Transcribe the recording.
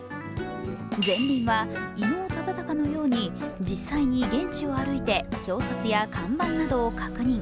ゼンリンは、伊能忠敬のように実際に現地を歩いて表札や看板などを確認。